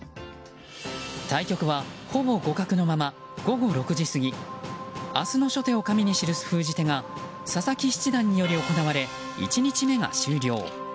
対局はほぼ互角のまま午後６時過ぎ明日の初手を紙に記す封じ手が佐々木七段により行われ１日目が終了。